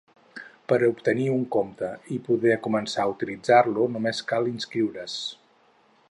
Per a obtenir-ne un compte i poder començar a utilitzar-lo només cal inscriure’s.